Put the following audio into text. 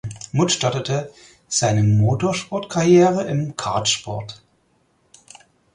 Muth startete seine Motorsportkarriere im Kartsport.